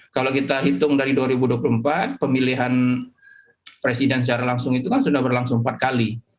kalau kita hitung dari dua ribu dua puluh empat pemilihan presiden secara langsung itu kan sudah berlangsung empat kali